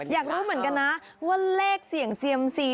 อยากรู้เหมือนกันนะว่าเลขเสี่ยงเซียมซี